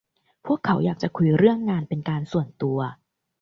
พวกเขาอยากจะคุยเรื่องงานเป็นการส่วนตัว